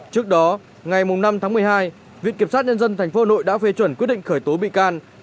trước đó ngày năm tháng một mươi hai viện kiểm sát nhân dân tp hà nội đã phê chuẩn quyết định khởi tố bị can